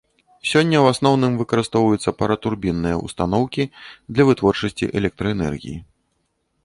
Сёння ў асноўным выкарыстоўваюцца паратурбінныя ўстаноўкі для вытворчасці электраэнергіі.